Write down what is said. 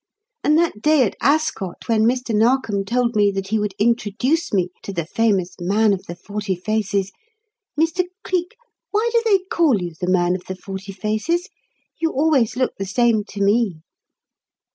And that day at Ascot when Mr. Narkom told me that he would introduce me to the famous 'Man of the Forty Faces' ... Mr. Cleek, why do they call you 'the Man of the Forty Faces'? You always look the same to me."